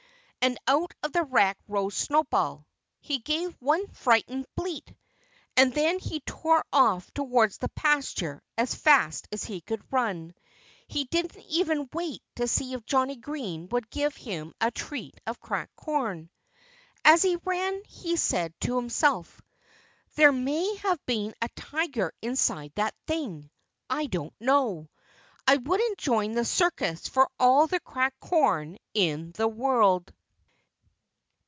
And out of the wreck rose Snowball. He gave one frightened bleat. And then he tore off towards the pasture as fast as he could run. He didn't even wait to see if Johnnie Green would give him a treat of cracked corn. As he ran he said to himself, "There may have been a tiger inside that thing. ... I don't know! ... I wouldn't join the circus for all the cracked corn in the world!"